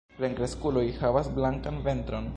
Plenkreskuloj havas blankan ventron.